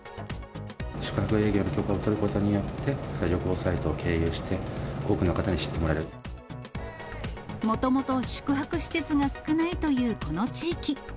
宿泊営業の許可を取ることによって、旅行サイトを経由して、もともと宿泊施設が少ないというこの地域。